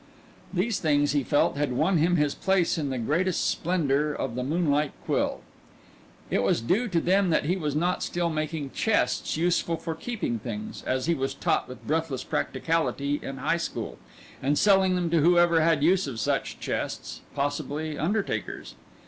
These things, he felt, had won him his place in the greatest splendor of the Moonlight Quill. It was due to them that he was not still making "chests useful for keeping things," as he was taught with breathless practicality in High School, and selling them to whoever had use of such chests possibly undertakers.